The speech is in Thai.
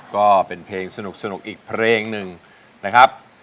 ก็เป็นเพลงสนุกอีกเพลงหนึ่งนะครับ